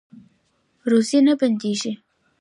روزي نه بندیږي